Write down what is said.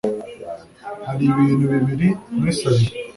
Hari ibintu bibiri nkwisabiye